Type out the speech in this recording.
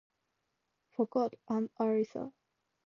For God and Ulster.